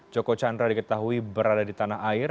joko chandra diketahui berada di tanah air